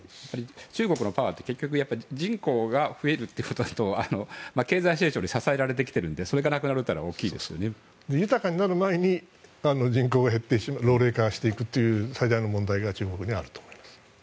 中国のパワーって結局人口が増えるということと経済成長に支えられてきているので豊かになる前に人口が減って老齢化していくという最大の問題が中国にはあると思います。